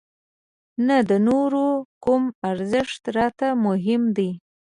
نه د نورو کوم ارزښت راته مهم دی.